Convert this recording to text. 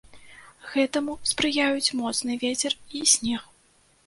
Гэтаму спрыяюць моцны вецер і снег.